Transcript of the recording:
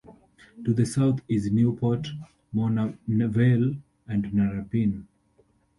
To the south is Newport, Mona Vale and Narrabeen.